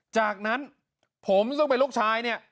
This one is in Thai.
จากนั้นผมซึ่งเป็นลูกชายเนี่ย